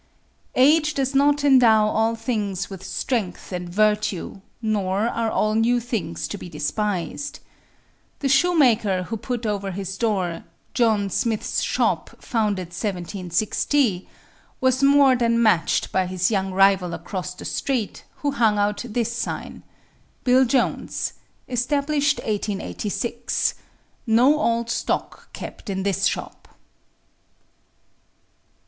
Age does not endow all things with strength and virtue, nor are all new things to be despised. The shoemaker who put over his door, "John Smith's shop, founded 1760," was more than matched by his young rival across the street who hung out this sign: "Bill Jones. Established 1886. No old stock kept in this shop."